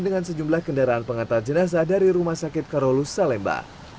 dengan sejumlah kendaraan pengantar jenazah dari rumah sakit karolus salemba